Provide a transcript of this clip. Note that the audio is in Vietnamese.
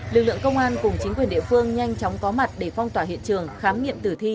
lực lượng công an cùng chính quyền địa phương nhanh chóng có mặt để phong tỏa hiện trường khám nghiệm tử thi